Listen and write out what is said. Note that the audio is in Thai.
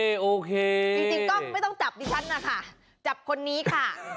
จริงก็ไม่ต้องจับดิฉันนะคะจับคนนี้ค่ะ